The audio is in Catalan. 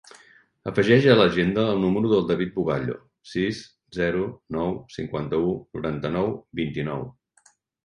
Afegeix a l'agenda el número del David Bugallo: sis, zero, nou, cinquanta-u, noranta-nou, vint-i-nou.